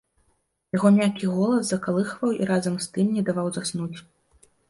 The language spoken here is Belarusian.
Яго мяккі голас закалыхваў і разам з тым не даваў заснуць.